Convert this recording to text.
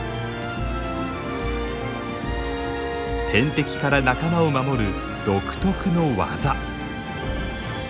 天敵から仲間を守る独特の技。